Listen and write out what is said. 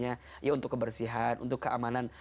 ya untuk kebersihan untuk keamanan